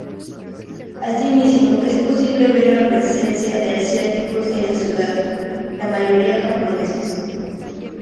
Asimismo es posible ver la presencia de asiáticos en la ciudad, la mayoría japoneses.